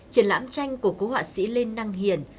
triển lãm tranh của cô họa sĩ lê năng hiển